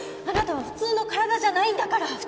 あなたは普通の体じゃないんだから！